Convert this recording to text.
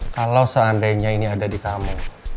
kalau seandainya ini ada di kamu